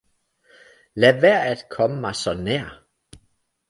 Lad være at komme mig så nær!